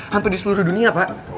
hampir di seluruh dunia pak